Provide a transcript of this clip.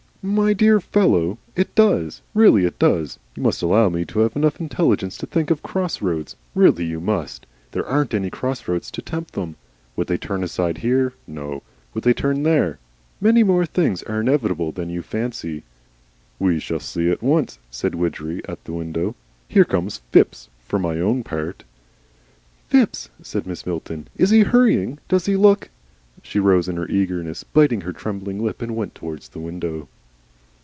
"My dear fellow! It does. Really it does. You must allow me to have enough intelligence to think of cross roads. Really you must. There aren't any cross roads to tempt them. Would they turn aside here? No. Would they turn there? Many more things are inevitable than you fancy." "We shall see at once," said Widgery, at the window. "Here comes Phipps. For my own part " "Phipps!" said Mrs. Milton. "Is he hurrying? Does he look " She rose in her eagerness, biting her trembling lip, and went towards the window.